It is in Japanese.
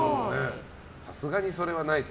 さすがに、それはないと。